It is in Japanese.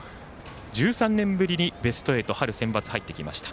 １３年ぶりにベスト８春センバツ入ってきました。